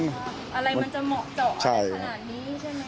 อะไรมันจะเหมาะเจาะอะไรขนาดนี้ใช่ไหม